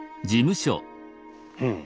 うん。